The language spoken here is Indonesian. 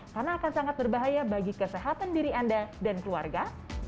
karena akan sangat berbahaya bagi kesehatan diri anda dan keluarga